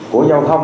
của giao thông